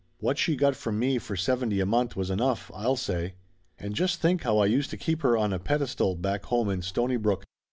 What she got from me for seventy a month was enough, I'll say ! And just think how I used to keep her on a pedestal back home in Stonybrook